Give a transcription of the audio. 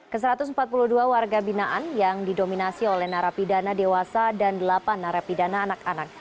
ke satu ratus empat puluh dua warga binaan yang didominasi oleh narapidana dewasa dan delapan narapidana anak anak